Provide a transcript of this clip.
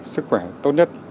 sức khỏe tốt nhất